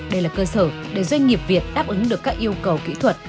đây là cơ sở để doanh nghiệp việt đáp ứng được các yêu cầu kỹ thuật